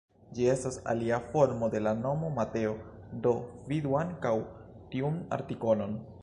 Ĝi estas alia formo de la nomo Mateo, do vidu ankaŭ tiun artikolon.